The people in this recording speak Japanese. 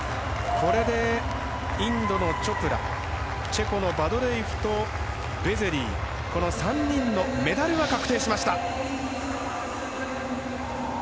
これで、インドのチョプラチェコのバドレイフとベゼリーこの３人のメダルは確定しました。